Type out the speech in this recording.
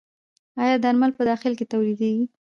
آیا درمل په داخل کې تولیدیږي؟